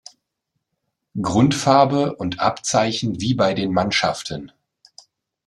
Grundfarbe und Abzeichen wie bei den Mannschaften.